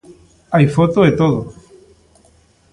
¡Hai foto e todo!